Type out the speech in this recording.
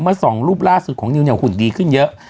สองรูปล่าสุดของนิวเนี่ยหุ่นดีขึ้นเยอะ